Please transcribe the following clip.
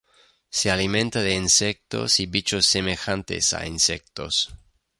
Se alimenta de insectos y bichos semejantes a insectos.